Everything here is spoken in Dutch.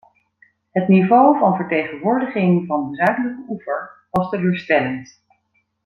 Het niveau van vertegenwoordiging van de zuidelijke oever was teleurstellend.